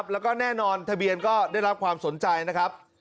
แล้วก็แน่นอนทะเบียนก็ได้รับความสนใจนะครับ